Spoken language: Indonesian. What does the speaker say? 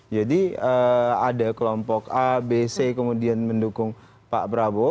jadi ada kelompok abc kemudian mendukung pak prabowo